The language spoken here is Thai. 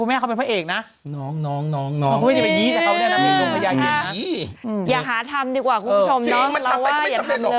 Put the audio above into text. ก็ไม่สำเร็จหรอกถ้าสมมุติทำแล้วสำเร็จเนี่ย